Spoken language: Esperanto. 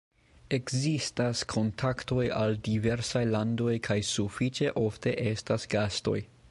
Ekzistas kontaktoj al diversaj landoj kaj sufiĉe ofte estas gastoj.